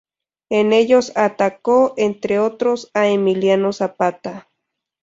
En ellos atacó, entre otros, a Emiliano Zapata.